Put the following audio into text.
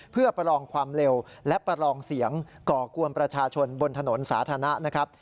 เพื่อประลองความเร็วและประลองเสียงก่อกวนประชาชนบนถนนสาธารณะนะครับ